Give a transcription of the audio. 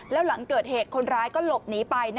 แล้วหลังเกิดเหตุคนร้ายก็หลบหนีไป